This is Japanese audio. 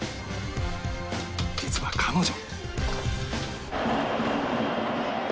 実は彼女